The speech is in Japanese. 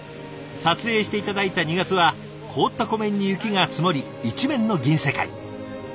撮影して頂いた２月は凍った湖面に雪が積もり一面の銀世界。